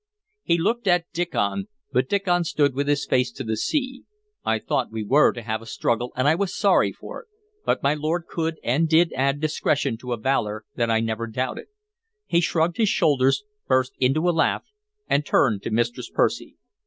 He looked at Diccon, but Diccon stood with his face to the sea. I thought we were to have a struggle, and I was sorry for it, but my lord could and did add discretion to a valor that I never doubted. He shrugged his shoulders, burst into a laugh, and turned to Mistress Percy.